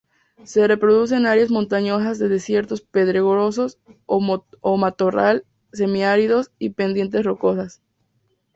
Se reproduce en áreas montañosas de desiertos pedregosos o matorral semiáridos y pendientes rocosas.